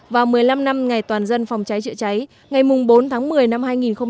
và một mươi năm năm ngày toàn dân phòng cháy chữa cháy ngày bốn tháng một mươi năm hai nghìn một mươi chín